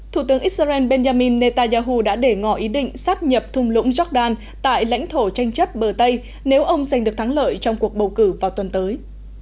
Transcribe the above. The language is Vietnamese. thủ tướng israel benjamin netanyahu đã để ngỏ ý định sắp nhập thung lũng jordan tại lãnh thổ tranh chấp bờ tây nếu ông giành được thắng lợi trong cuộc bầu cử vào tuần tới